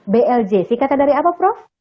blj sih kata dari apa prof